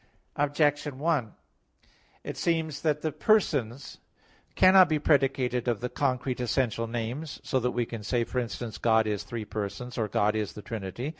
Objection 1: It would seem that the persons cannot be predicated of the concrete essential names; so that we can say for instance, "God is three persons"; or "God is the Trinity."